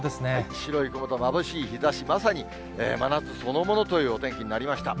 白い雲とまぶしい日ざし、まさに真夏そのものというお天気になりました。